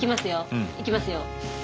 うん。いきますよ。